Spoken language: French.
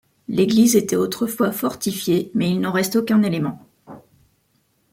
L'église était autrefois fortifiée mais il n'en reste aucun élément.